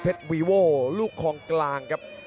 เพชรวีโว่ลูกของกลางครับ